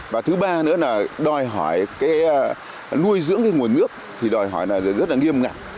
và thứ ba nữa là đòi hỏi nuôi dưỡng nguồn nước thì đòi hỏi rất nghiêm ngặt